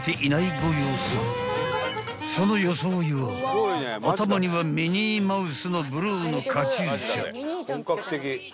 ［その装いは頭にはミニーマウスのブルーのカチューシャ］